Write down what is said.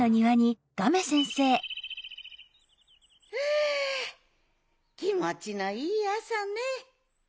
あきもちのいいあさね！